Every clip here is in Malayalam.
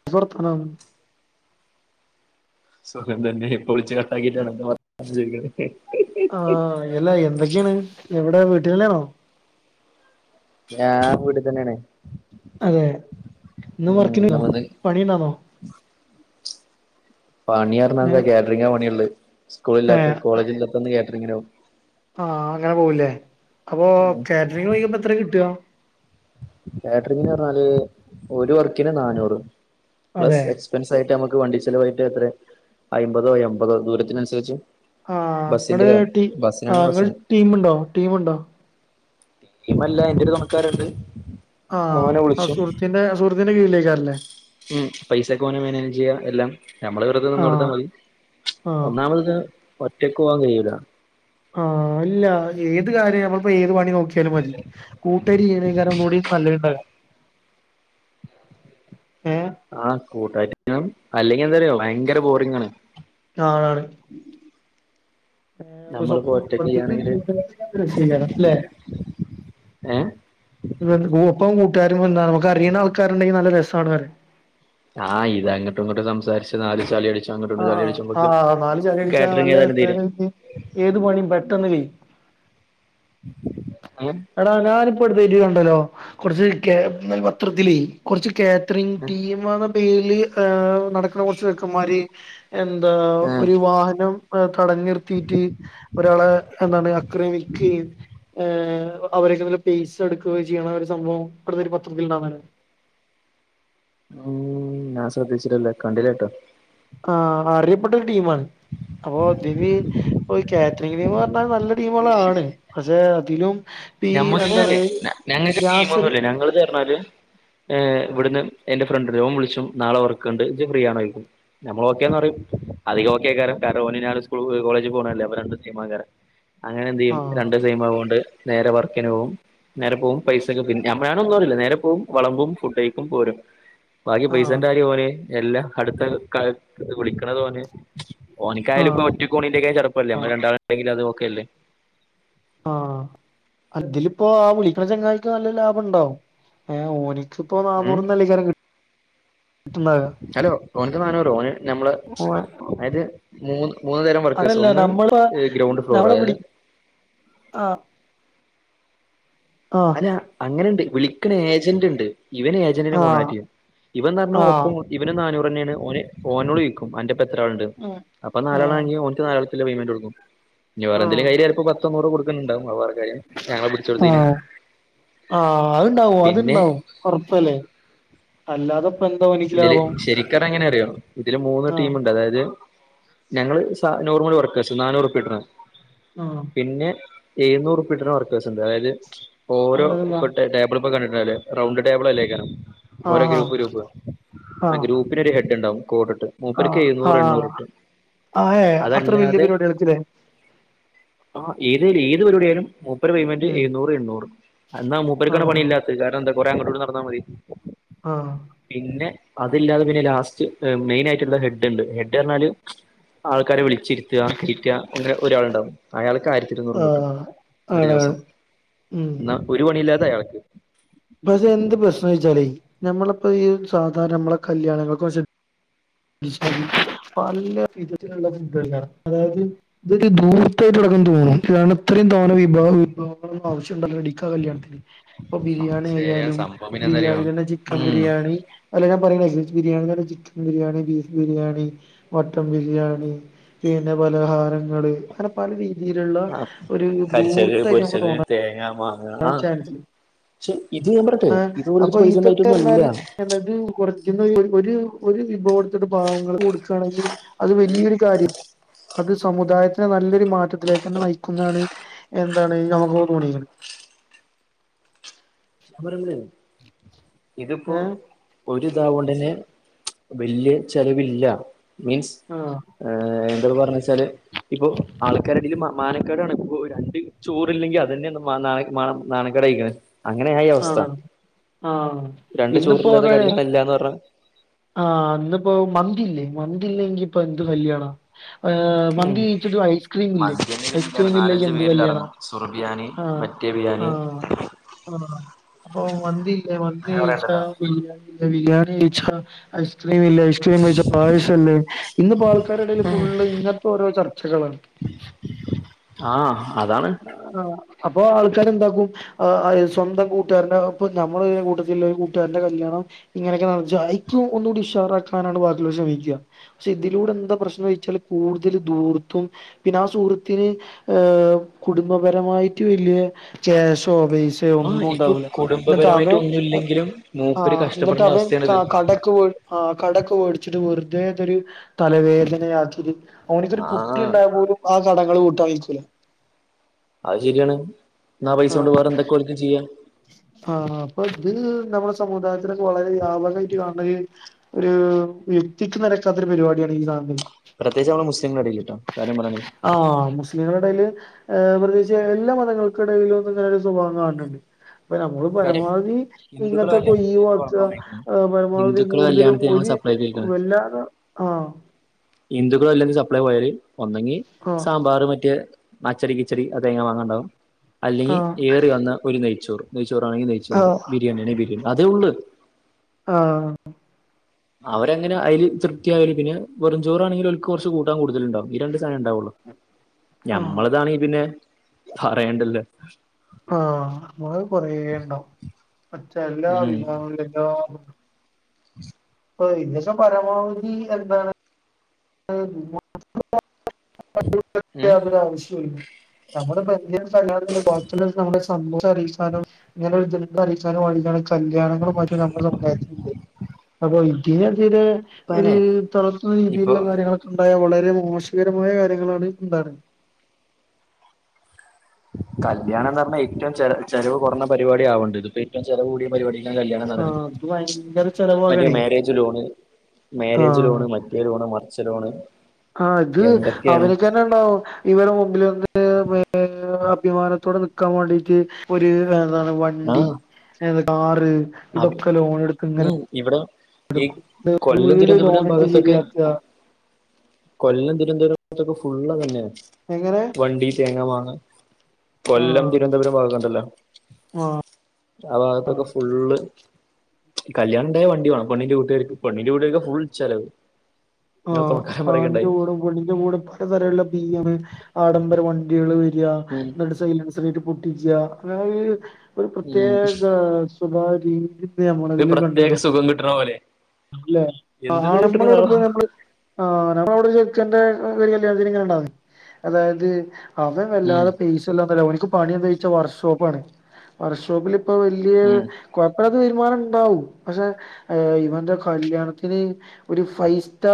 ന്തൊക്കെ വർത്താനം സുഖം തന്നെ ഇപ്പൊ വിളിച് കട്ടാക്കിട്ടാണ് ഇപ്പൊ വർത്താനം ചോയ്ക്ക്ണത് ആഹ എല്ല എന്തൊക്കെയാണ് എവിടെ വീട്ടിലന്നെണോ ഞാൻ വീട്ട് തന്നെയാണ് അതെ ഇന്നും ഉം വർക്കിണ്ടാന്നോ നമ്മന്ന് പണിണ്ടാ ർ ന്നോ പണി പറഞ്ഞാ ഏ എന്താ കാറ്ററിങ്ങ പണിള്ളത്. സ്കൂളില്ലാത്ത കോളജില്ലാത്തന്ന് കാറ്ററിങ്ങിനോവും ആഹ അങ്ങനെ പോവൂല്ലേ അപ്പൊ കാറ്ററിങ് കഴിയുമ്പ എത്ര കിട്ടാ കാറ്ററിംഗിന് പറഞ്ഞാല് ഒരു വർക്കിന് നാന്നൂറ് പ്ലസ് അതെ എക്സ്പെൻസ് ആയിട്ട് നമുക്ക് വണ്ടി ചെിലവായിട്ട് എത്രെ അയ്മ്പതോ എമ്പതോ ദൂരത്തിനനുസരിച്ച് ആ ബസ്സിന്റെ ങ്ങള് ടി ആ ബസ്സിനാണ് ങ്ങള് ബസ്സിന് ടീമുണ്ടോ ടീമുണ്ടോ ടീമല്ല ന്റൊരു തൊണക്കാരൻണ്ട്. ആഹ ആ സുഹൃത്തിന്റെ സുഹൃത്തിന്റെ കീഴിലേക്കാണ ല്ലേ ഉം പൈസൊക്കെ ഓന മാനേജ് ചെയ്യാ എല്ലാം ഞമ്മള് വെറുതെ നിന്നോട്ത്താൽ ആഹ് മതി ആഹ് ഒന്നാമത്ത് ഇത് ഒറ്റയ്ക്ക് പോവാൻ കഴിയൂല ആ അല്ല ഏത് കാര്യം നമ്മളപ്പോ ഏത് നോക്കിയാലും മതി കൂട്ടായിട്ട് ചെയ്യ്ണൈക്കാലും ഒന്നും കൂടി നല്ലയ്ണ്ടാവാ ഏഹ് ആഹ കൂട്ടായിട്ട് ചെയ്യണം അല്ലെങ്കിൽ എന്ത അറിയോ ഭയങ്കര ബോറിംഗാണ് ആ ആണാണ് ർവപ്പ നമ്മളിപ്പോ [unintelligible] ഒറ്റക്ക് വർത്തിച്ച് ചെയ്യാണെങ്കില് കൃഷിക്കണം അല്ലേ ഏഹ് കൂട്ടാരും വന്ന നമുക്ക് അറിയ്ണ ആൾക്കാരുണ്ടെങ്കി നല്ല രസാണ്ന്ന് പറയും ആഹ് ഇത് അങ്ങോട്ടും ഇങ്ങോട്ടും സംസാരിച്ച് നാല് ചളി അടിച്ച് ആഹ ആ നാല് ചളി അടിച്ച കാറ്ററിംഗ് നല്ല ഏതായാലും തീരും രസായിട്ട് ഏത് പണിയും പെട്ടെന്ന്കൈ യ്യും ഏഹ് എടാ ഞാനിപ്പ എടുതായിട്ട് ഉണ്ടല്ലോ കുറച്ച് കാറ്ററിംഗ് പത്രത്തിലേ കുറച്ച് കാറ്ററിംഗ് ടീമളെ ഡെയിലി നടക്കുന്ന കുറച്ച് ചെക്കമ്മാര് എന്താ ഏഹ് ഒരു വാഹനം തടഞ്ഞു നിർത്തിട്ട് ഒരാളെ എന്താണ് അക്രമിക്കയും അവ- രുടെ പൈസ എടുക്കുകയും ചെയ്യണ ഒരു സംഭവം ഇവിടെ ഒരു പത്രത്തില് ഉണ്ടായിരുന്നില്ലേ ഉം ഞാൻ ശ്രദ്ധിച്ചിട്ടില്ല കണ്ടില്ല ട്ടോ ആ അറിയപ്പെട്ട ഒരു ടീമാണ് അപ്പൊ ഇതിന് ഇപ്പൊ ഈ കാറ്ററിംഗിന് പറഞ്ഞാ നല്ല ടീമളാണ് പക്ഷെ അതിലും ഇപ്പ ഈ ഞമ്മക്ക് എന്താണ് അറിയ ഞങ്ങക്ക് രാസൽ ടീമൊന്നുല്ല ഞങ്ങളെന്നു പറഞ്ഞാല് ഇവിടുന്ന് എന്റെ ഫ്രണ്ട്ഇല്ലേ ഓൻ വിളിച്ചു നാളെ വർക്ക്ണ്ട് ജ് ഫ്രീ ആണോന്നു ചോദിക്കും നമ്മൾ ഓക്കെന്ന് പറയും അധികം ഓക്കെ ആയ്ക്കാരം കാരണം ഓനും ഞാനും സ്കൂൾ കോളേജ് പോണല്ലേ അപ്പൊ രണ്ടും സെയിംആൾക്കാരാ അങ്ങനെ എന്ത് ചെയ്യും ആഹ് രണ്ടുംസെയിം ആയതോണ്ട് നേരെ വർക്കിന് പോവും നേരെ പോവും പൈസക്കെ പിന്നെ വേണോന്ന് പറയില്ല നേരെ പോവും വളമ്പും ഫുഡയ്ക്കും പോരും ബാക്കി ആഹ് പൈസന്റെ കാര്യം ഓന് എല്ലാം അടുത്ത വിളിക്കണത് ഓന് ഓനിക്കായാലും ആഹ് ഇപ്പ ഒറ്റക്കോ ണിന്റെക്ക ചടപ്പല്ലേ നമ്മള് രണ്ടാളുണ്ടെങ്കിൽ അത്ഓക്കെ അല്ലെ ആ ഇതിലിപ്പോ ആ വിളിക്കണ ചെങ്ങാതി ക്ക് നല്ല ലാഭംഉണ്ടാവുംഏ ഓന് ഇതിപ്പോ ഉം നാനൂറ്ന്നുല്ലേ കാരംകിട്ട ഹലോ ഓനിക്ക് നാന്നൂറ് ഓന് ഞമ്മള് ഓൻ അതാ യത് [inaudible] അതല്ല നമ്മളെ ഗ്രൗണ്ട് ഫ്ലോർ നമ്മള് അതായത് വിളി ആ അല്ല അങ്ങനു ണ്ട് വിളിക്കണ ഏജന്റ് ഉണ്ട് ഇവന് ഏജന്റിനേ ആഹ് കോൺടാക്ട് ചെയ്യും ഇവൻന്ന്പറഞാ ഒപ്പ ആഹ് ഇവന നാനൂർ [unintelligible] ഓനോട് ചോയിക്കും അന്റെയൊപ്പം എത്ര ആളുണ്ട് ഉം അപ്പൊ ആഹ് നാലാളാങ്കിൽ പെയ്മെൻറ് കൊടുക്കും ഇനി വേറെ ആഹ് എന്തെങ്കിലും കയ്യില് പോ പത്തൊന്നൂറ് കൊടുക്കണ്ടാവ അത് വേറെ ഞങ്ങളെ പിടിച്ച കൊടുതീനേ ആ അത്ണ്ടാവും അത്ണ്ടാവും ഉറപ്പല്ലേ അല്ലാതെ എന്താ ഓനിക് ഇതില് ലാഭം ശരിക്കറിഞ്ഞ എങ്ങനെ അറിയോ ഇതില് മൂന്ന് ആഹ് ടീമുണ്ട് അതായത് ഞങ്ങള് സ നോർമൽ വർക്ക നന്നൂറ്പ്യ കിട്ടണ ആഹ് പിന്നെ എഴുന്നൂറ്പ്യട്ട്‌ണവർക്കേഴ്സ് ഉണ്ട് അതായത് ഓരോ അതെന്താ ടേബിൾ കണ്ട അതെ റൗണ്ട് ടേബിൾ അല്ലേകാരംണം ഓരോ ആഹ് ഗ്രൂപ്പ് ഗ്രൂപ്പ് ആ ആഹ് ഗ്രൂപ്പിന് ഒരു ഹെഡ് ഉണ്ടാാവും [unintelligible] ട്ട് ആഹ് മുപ്പര്ക്ക് ആഹ് എഴുന്നൂറ് ആഹ് ആഹ് ഏഹ് അത്ര വല്യ എണ്ണൂറ്ട്ടുംഅതല്ലാതെ പരിപാടികൾക്കില്ലേ ആ ഏത [unintelligible] [unintelligible] പടിയും മുപ്പെരേപെയ്മെന്റ് ഉം എഴുന്നൂറ് എണ്ണൂറ് എന്നാ മുപ്പർക്കാണ് ആഹ് പണില്ലാത്തത് കാരണംന്താ കൊറേ ഇങ്ങോട്ടും നടന്നാ മതി ആഹ് പിന്നെ അതില്ലാതെ പിന്നെ ലാസ്റ്റ് മെയിൻ ആയിട്ടുള്ള ഹെഡ് ഉണ്ട് ഹെഡ് റഞ്ഞാല് ആൾക്കാരെ വിളിച്ചിരുത്തുക കയറ്റുക അങ്ങനെ ഒരാളുണ്ടാവും അയാൾക്ക് ആയിരത്തിഇരുന്നൂറും കിട്ടും ആഹ് ഒരു ആണാണ് ദിവസം ഉം എന്നാ ഒരു പണിയില്ലാതെ അയാൾക്ക് പക്ഷെ എന്ത് പ്രശ്നംന്ന് ച്ചാലേ നമ്മളിപ്പോ ഈ സാധാരണ നമ്മളെ കല്യാണങ്ങൾക്ക വ [unintelligible] പല വിധത്തിലുള്ള ഫുഡല്ലേഅതായത് ഇതൊരു നൂറ്റ തുടക്കം തോന്നുംം കാരണം ഇത്രയും തോന വിഭവ വിഭവങ്ങൾ ആവശ്യണ്ടല്ലോ [unintelligible] കല്യാണത്തിന് ഇപ്പൊ ബിരിയാണി [unintelligible] ശരിയാണ് ലും സംഭവം പിന്നെന്തറിയോ ബിരിയാണിയിൽ തന്നെ ചിക്കൻ ഉം ബിരിയാണി അല്ല ഞാൻ പറയ്ണ കേൾക്ക് biryani chicken biryani beef biryani mutton biryani പിന്നെ പലഹാരങ്ങള് അങ്ങനെ പല രീതിയിലുള്ള ആ ഒരു കരിച്ചത് ദൂർത്തായി നമുക്ക് പൊരിച്ചത് തോന്നാർ തേങ്ങ മാങ്ങ ആ ചാബിസിന്റ് പക്ഷെ ഇത് ഞാൻ പറയട്ടെ ആ ഇത് അപ്പൊ ഓരടുത്ത് പൈസ ഇതൊക്കെ ഉണ്ടായിട്ടൊന്നും ർഞ്ഞാൽ അല്ല എന്നത് കുറയ്ചുന്ന ഒരു ഒരു വിഭവടുത്തിട്ട് പാവങ്ങൾക്ക് കൊടുക്കുകയാണെങ്കിൽ അത് വലിയൊരു കാര്യം അത് സമുദായത്തിനെ നല്ലൊരു മാറ്റത്തിലേക്ക് തന്നെ നയിക്കുന്നാണ് എന്താണ് ഞമക്ക് ഒക്കെ തോണീക്ണ് ഞാൻ പറയ്ണത് ഇതിപ്പോ ഏ ഒരു ഇതാവോണ്ടന്നെ വലിയ ചെലവില്ല മീൻസ് ആ ഏ എന്ത പറഞ്ഞ [unintelligible] ഇപ്പോ ആൾക്കാരിടയില് മാനക്കേടാണ് ഇപ്പോ രണ്ട് ചോറ്ല്ലെങ്കിൽ അത് തന്നെ [unintelligible] നാണകേടായിക്കണ് അ അങ്ങനെയായി ആ അവസ്ഥ ആ രണ്ട് ഇന്നിപ്പോ ചോറില്ലാതെ അതാണ് കല്യാണം ഇല്ലെന്ന് പറഞ്ഞാല് ആ അന്ന്പ്പോ മന്തില്ലേ മന്തില്ലെങ്കിൽ ഇപ്പൊ എന്ത് കല്യാണ ഉം മന്തി കഴിച്ചിട്ട് ഐസ്ക്രീം ഇല്ലേ ഐസ്ക്രീംല്ലെങ്കിൽ എന്ത് കല്യാണ സുർ ബിയാണി ആ മറ്റേ ബിയാണി ആ അപ്പൊ മന്തി ഇല്ലേ മന്തി അങ്ങനെ കഴിച്ച പറയണ്ടല്ലോ ബിരിയാണി ഇല്ലേ ബിരിയാണി കഴിച്ച ഐസ് ഐസ്ക്രീം ഇല്ലേ ഐസ്ക്രീം കഴിച്ച പായസംല്ലേ ഇന്നിപ്പോ ആൾക്കാരെഇടയിൽ ഫുള്ള് ഇങ്ങനത്തെ ഒരു ചർച ചർച്ചകളാണ് ആഹ് അതാണ് ആ അപ്പൊ ആൾക്കാരെന്താക്കും സ്വന്തം കൂട്ടുകാരന്റെ ഒപ്പം നമ്മളെ കൂട്ടത്തി ലുള്ള കൂട്ടുകാരന്റെ കല്യാണം ഇങ്ങനെയൊക്കെ [unintelligible] ഒന്നുകൂടി ഇഷാറാക്കാനാണ് ബാക്കി ഉള്ളവർശ്രമിക്കുക പക്ഷെ ഇതിലൂടെ എന്താ പ്രശ്നം ചില കൂടുതൽ ദൂർത്തും പിന്നെ ആഹ് സുഹൃത്തിന് ഏഹ് കുടുംബ പരമായിട്ട് വല്യ ചേസോ ബേസ് പക്ഷേ ആഹ് ഒന്നും ഇപ്പൊ ഉണ്ടാവൂല എന്നിട്ട് കുടുംബപരമായിട്ട് അവൻ ഒന്നുല്ലെങ്കിലും മൂപ്പര് ആഹ് എന്നിട്ട് കഷ്ടപ്പെടേണ്ട അവൻ അവസ്ഥയാണിത് കടക്ക് പോയി ആഹ് കടക്ക് ഓടിച്ചിട്ട് വിർ ഇതേത്തൊരു തലവേദനയാക്കിട്ട് ഓനൊക്കൊരു കുട്ടി ആഹ് ഉണ്ടായ പോലും ആഹ് കടകള് കൂട്ടായ്ക്കുലേ അത് ശരിയാണ് എന്നാ പൈസ കൊണ്ട് വേറെ എന്തൊക്കെ ഒൽക്ക് ചെയ്യാ ആഹ് അപ്പൊ ഇത് നമ്മുടെ സമുദായത്തിലൊക്കെ വളരെ വ്യാപകമായിട്ട് കാണണ ഒരു വ്യക്തിക്ക് നിരക്കാത്തരു പരിപാടിയാണ് ഈ സാധനത്തിന് പ്രത്യേകിച്ച് നമ്മളെ മുസ്ലിങ്ങളുടെ ഇടയിൽ ട്ടോ കാര്യം പറയാണ് ആഹ് മുസ്ലിങ്ങളിടയില് ആഹ് പ്രത്യേകിച്ച് എല്ലാ മതങ്ങൾക്കിടയിലും ഒന്നും ഇങ്ങനെ ഒരു സ്വഭാവം കാണുന്നുണ്ട് അപ്പൊ നമ്മളും കാര്യം പരമാവധി ഹിന്ദുക്കളെ ഇങ്ങനത്തൊക്കെ കല്യാണത്തിന് ഒയ് ഞങ്ങൾ വിളമ്പാൻ വാക്കുക പോയിക്ക്ണ് പരമാവധി ഹിന്ദുക്കളെ കൂടുതലും കല്യാണത്തിന് ഞങ്ങൾ ഒരു വല്ലാതെ ആഹ് ഹിന്ദുക്കള് വല്ലതിലും സപ്ലൈ പോയാല് ഒന്നെങ്കി ആഹ് സാമ്പാർ മറ്റേ അച്ചടി കിച്ചടി അതങ്ങെ വന്നുണ്ടാവും അല്ലെങ്കിൽ ആഹ് ഏറി വന്ന ഒരു നെയ്ച്ചോറും ചോറാണെങ്കിൽ നെയ്ച്ചോറ് ആഹ് ബിരിയാണെങ്കി ബിരിയാണി അതേയുള്ള് ആഹ് അവരങ്ങനെ അയില് തൃപ്തിയാകല് പിന്നെ വേറുംച്ചോറാണെങ്കിൽ ഓൽക്ക് കുറച്ച് കൂട്ടാൻ കൂടുതലുണ്ടാവും ഈ രണ്ട് സാധനം ഉണ്ടാവു [unintelligible] ആഹ് ഞമ്മളതാണെ പിന്നെ പറയണ്ടല്ലോ ആഹ് നമ്മള് കൊറേ ഉണ്ടാവും മറ്റേ എല്ലാ ഉം വിവാഹങ്ങളും എല്ലാ [unintelligible] പ്പ ഏകദേശം പരമാവധി എന്താണ് [unintelligible] ഉം നമ്മുടെ ഇപ്പോ എഞ്ചിനിയേഴ്സ് അല്ലാതെ ബാച്ചിലേഴ്സ് നമ്മുടെ അന്നു സാധനം ഇങ്ങനെ ഒരു [unintelligible] വേണ്ടിയിട്ടാണ് കല്ല്യാണങ്ങളും മറ്റും നമ്മള് സംസാരിച്ചിട്ടുണ്ട് അപ്പോ ഇതേ [unintelligible] ഒരു ഇപ്പനെ തുറന്ന ഇപ്പൊ രീതിയിലുള്ള കാര്യങ്ങളൊക്കെ ഉണ്ടാവും. വളരെ വളരെ മോശകരമായ കാര്യങ്ങളാണ് ഉണ്ടാണെ. കല്യാണം എന്ന് പറഞ്ഞ ഏറ്റവും ചില ചിലവ് കുറഞ്ഞ പരിപാടി ആവണ്ടേ. ഇതിപ്പോ ഏറ്റവും ചിലവ് കൂടിയ പരിപാടി കല്യാണന്ന് പറയുന്നത്. ആഹ് അത് ഭയങ്കര മറ്റേ ചെലവാകണേ മ്യാരേജ് ലോണ് മാരേജ് ആഹ് ലോണ് മറ്റേ ലോണ് മറച്ചെ ലോണ് ആഹ് ഇത് എന്തൊക്കെയാണ് അവനൊക്ക തന്നെ ഉണ്ടാവും ഇവരെ മുമ്പിൽ വന്ന് വിമാനത്തോടെ നിക്കാൻ വേണ്ടീട്ട് ഒരു എന്താണ് വണ്ടി ആഹ് കാറ് അത് ഇതൊക്കെ ലോൺ എടുക്ക ഇങ്ങനെ ഉം ഇവിടെ എടു ഈ കൊല്ലം വീട് ലോൺ തിരുവനന്തപുരം എടുത്ത് ഭാഗത്തൊക്കെ ശരിയാക്കുക കൊല്ലം തിരുവനന്തപുരത്തൊക്കെ ഫുള്ള തന്നെ എങ്ങനെ വണ്ടി തേങ്ങാ വങ്ങ കൊല്ലം ആഹ് തിരുവനന്തപുരം ഭാഗംണ്ടല്ലോ ആഹ് ആ ഭാഗത്തൊക്കെ ഫുള്ള് കല്യാണായ വണ്ടി വേണം പൊണിന്റെ കൂട്ടുകാ പണ്ണിന്റെ കൂട്ടുകൊക്കെ ഫുൾ ഇിച്ചാലത് ആഹ് ആണിന്റെ കൂടും പടിിന്റെ കൂടും പലതരുള്ള ബീയം ആഡംബര ഉം വണ്ടികള് സൈലസീട്ട് പൊട്ടിക്ക അങ്ങനെ ഒരു ഉം പ്രത്യേക സ്ഭ രീതി ഒരു നമ്മളതിൽ പ്രത്യേക കണ്ടുവണം സുഖം കിട്ടണ പോലെ എന്തിനാ അല്ലെകാണുമ്പോ നമ്മളവിടെ കിട്ടണതാവോ പോ നമ്മള് ആ നമ്മളവിടെ ചെക്കന്റെ ണ്ട അതായത് അവൻ ഉം വല്ലാതെ പേസല്ല പണിച്ച വർഷോണ് വോപ്പ ഇ ഉം വ തീരുമാനം ഉണ്ടാവും പക്ഷെ ഇവ കയാത്തിന് ഫവ് സ്റ്റാ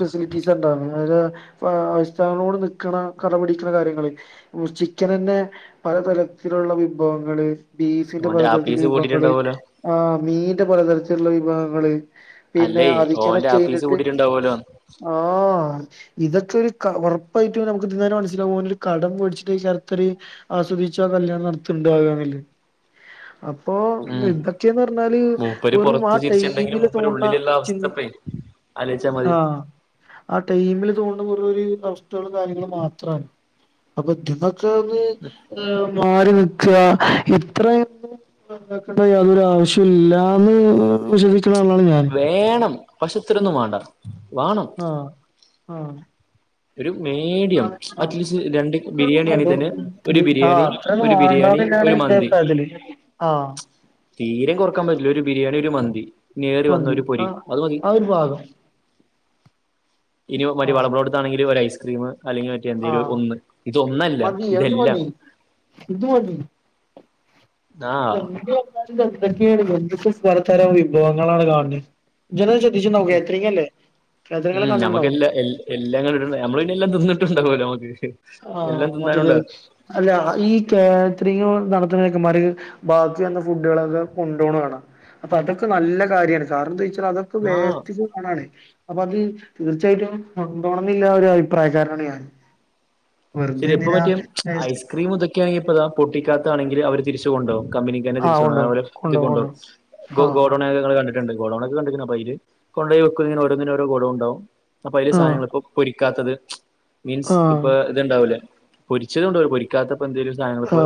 ഫെസിലിറ്റീ ട് നക്കണ കടപിടിക്കണ കാര്യങ്ങ ചിക്കൻ തന്നെ പലതരത്തിലുള്ള വിഭവങ്ങള് ബീഫിന്റെ ഓന്റെ പലതരത്തില ആപ്പീസ് വിഭവങ്ങള് കൂട്ടിട്ടുണ്ടാവൂലോ ആഹ് മീന്റെ പലതരത്തിലുള്ള വിഭവങ്ങള് പിന്നെ അല്ലേ അധിക്കാന ഓന്റെ ആപ്പീസ് കഴിഞ്ഞിട്ട് കൂട്ടിട്ടുണ്ടാവൂലോ ആഹ് ഇതൊക്കെ ഒരു ക ഉറപ്പായിട്ടും നമുക്ക് ഇതിന്നെന്നെ മനസ്സിലാവും ഓനൊരു കടം മേടിച്ചിട്ട് ശരത്തൊരു ആസ്വദിച്ചതാ കല്യാണം നടത്തുന്നുണ്ട് അവര് തമ്മില് [inaudible] അപ്പൊ ഉം എന്തൊക്കെയാന്ന് പറഞ്ഞാല് മൂപ്പര് വെറും ആ പുറത്ത് ചിരിച്ചിണ്ടെങ്കിലും ടൈമില് മൂപ്പര് തോന്നുന്ന ഉള്ളിലുള്ള ചിൻ അവസ്ഥപ്പേ ആലോചിച്ചാ മതി ആഹ് ആ ടൈമില് തോന്നു ന്ന വെറും ഒരു അവസ്ഥകളും കാര്യങ്ങളും മാത്രാണ്. അപ്പൊ മാറി നിക്കുക ഇത്രയൊന്നും [unintelligible] യാതൊരു ആവശ്യവും ഇല്ലാന്ന് വിശ്വസിച്ച വേണം പക്ഷെ ഇത്രയൊന്നും വേണ്ട വേണം ആഹ് ഒരു [inaudible] മീഡിയം ആഹ് അറ്റ്ലീസ്റ്റ് രണ്ട് ബിരിയാണി ആണെങ്കിൽ തന്നെ അത്രയൊന്നും ഒരു ബിരിയാണി ഒരു ബിരിയാണി വേണ്ടാന്നെ ഒരു എൻ്റെ അഭിപ്രായത്തില് തീരെയും കുറക്കാൻ പറ്റില്ല ഒരു ബിരിയാണി ഒരു മന്തി ഇനിയേറി വന്നാ മന്തി ഒരു പൊരി ആഹ് അത് മതി ആ ഒരു ഭാഗം ഇനി [unintelligible] ആഹ് വിളമ്പുന്നിടത്താണങ്കില് ഒരു ഐസ്ക്രീം അല്ലെങ്കിൽ പറ്റിയ എന്തേലും ആഹ് ഒന്ന് ഇതൊന്നല്ല മതി അത് ഇതെല്ലാം മതി ഇത് മതി ആ [unintelligible] പലതരം വിഭവങ്ങളാണ് കാണുന്നെ ഞാനത് ശ്രദ്ധിച്ചിരുന്നു കേറ്ററിംഗല്ലേ ഉം നമുക്കെല്ലാം എല്ലാം കണ്ടിട്ടുണ്ട് നമ്മള് പിന്നെ എല്ലാം തിന്നിട്ടുണ്ടാവുമല്ലോ നമുക്ക് എല്ലാം ആഹ് മൊത്തത്തിൽ തിന്നാനുണ്ടാവും അല്ലാ ഈ കാറ്ററിംഗ് നടത്തുന്ന ചെക്കന്മാര് ബാക്കി വന്ന ഫുഡുകളൊക്കെ കൊണ്ടോവണ കാണാം അപ്പൊ അതൊക്കെ നല്ല കാര്യമാണ് കാരണം എന്താ വെച്ചാൽ അതൊക്കെ ആ വേസ്റ്റേജ് പോണാണ് അപ്പൊ അത് തീർച്ചയായിട്ടും കൊണ്ടോവണന്നുള്ള ഒരു അഭിപ്രായക്കാരനാണ് ഞാൻ വെറുതെ ശരി ഇപ്പൊ എന്തിനാ [inaudible] വേസ്റ്റ് ഐസ്ക്രീം ഇതൊക്കെയാണെങ്കി ഇപ്പോ താ പൊട്ടിക്കാത്താണെങ്കിൽ അവര് തിരിച്ചു കൊണ്ടോകും കമ്പനിക്കെന്നെ ആഹ് തിരിച്ചു കൊണ്ടോകും കൊണ്ടോവും അവരുടെ [unintelligible] കൊണ്ടോവും കൊണ്ട് കൊണ്ടോവും പോകും. ആഹ് ഗോഡൗൺ [unintelligible] കണ്ടി ട്ടുണ്ട്. ഗോഡൗണൊക്കെ കണ്ട്‌ക്കിണ് അപ്പൊ അതില് കൊണ്ടോയി വെക്കും ഇങ്ങനെ ഓരോന്നിനും ഓരോ ഗോഡൗൺ ഉണ്ടാവും അപ്പൊ അതില് ആഹ് സാധനങ്ങള് ഇപ്പോ പൊരിക്കാത്തത് മീൻസ് ആഹ് ഇപ്പൊ ഇത്ണ്ടാവൂലേ പൊരിച്ചതും ഉണ്ടാവൂലെ. പൊരിക്കാത്ത ഇപ്പോ എന്തേലും സാധനങ്ങൾ ഇപ്പോ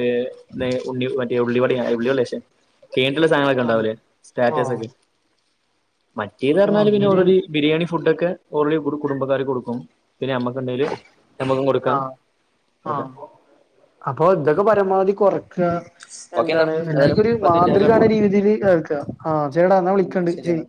ഏഹ് [unintelligible] ഉണ്ണി മറ്റേ ഉള്ളിവടയാ ഉള്ളി വള്ള ശേ [unintelligible] സാധനങ്ങളൊക്കെ ആഹ് ഉണ്ടാവൂലേ സ്റ്റാറ്റസ് ആഹ് ഒക്കെ മറ്റേത് അപ്പൊ പറഞ്ഞാല് പിന്നെ അങ്ങനെയാണ് ഓൾറെഡി ബിരിയാണി ഫുഡൊക്കെ ഓൾറെഡി കുടു കുടുംബക്കാര് കൊടുക്കും പിന്നെ അമ്മക്കുണ്ടേൽ നമ്മക്കും കൊടുക്കാം ആഹ് ഓകെ ആഹ് അപ്പൊ എന്തൊക്കെ പരമാവധി കുറക്കുക എന്താണ് എല്ലാർക്കും ഒരു മാതൃകാകണ രീതിയിൽ ഇതാക്കുക ആഹ് ശരിയെട എന്നാ വിളിക്കണ്ട് ശരി